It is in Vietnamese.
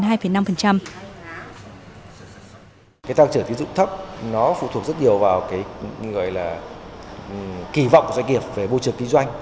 tăng trưởng tín dụng thấp phụ thuộc rất nhiều vào kỳ vọng doanh nghiệp về môi trường kinh doanh